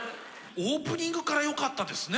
オープニングからよかったですね。